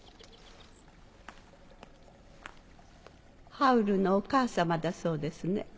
ハウルのお母様だそうですね。